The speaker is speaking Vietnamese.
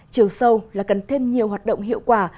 chiều sâu là cần thêm nhiều hoạt động hiệu quả